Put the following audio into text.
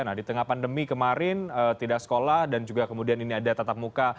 nah di tengah pandemi kemarin tidak sekolah dan juga kemudian ini ada tatap muka